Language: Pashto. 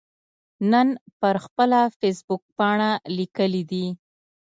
نن پر خپله فیسبوکپاڼه لیکلي دي